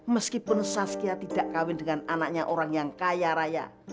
meskipun saskia tidak kawin dengan anaknya orang yang kaya raya